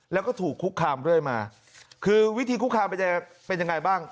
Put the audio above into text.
แล้วก็ถูกคุกคามเรื่อยมาคือวิธีคุกคามมันจะเป็นยังไงบ้าง